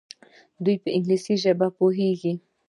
دوی په انګلیسي ژبه پوهیږي.